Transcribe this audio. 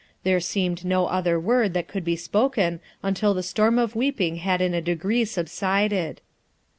There seemed no other word that could be spoken until the storm of weeping had i n a degree subsided.